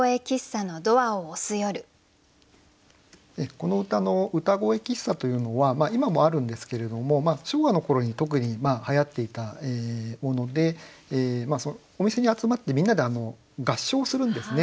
この歌の「うたごえ喫茶」というのは今もあるんですけれども昭和の頃に特にはやっていたものでお店に集まってみんなで合唱するんですね。